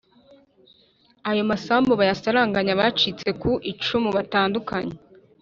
Ayo masambu bayasaranganye abacitse ku icumu batandukanye